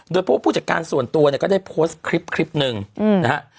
โดยพวกผู้จัดการส่วนตัวก็ได้โพสต์คลิปหนึ่งนะครับ